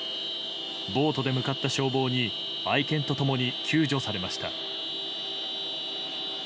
ボートで向かった消防に愛犬と共に救助されました。